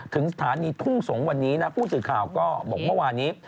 ถึงฐานีทุ่ง๒วันนี้ผู้สื่อข่าวก็บอกว่าวันนี้